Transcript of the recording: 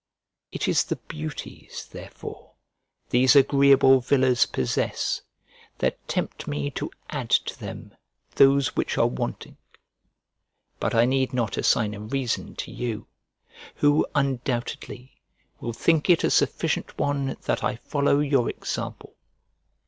It is the beauties therefore these agreeable villas possess that tempt me to add to them those which are wanting. But I need not assign a reason to you; who, undoubtedly, will think it a sufficient one that I follow your example.